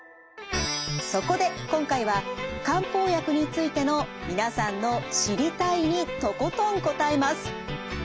そこで今回は漢方薬についての皆さんの「知りたい！」にとことん答えます。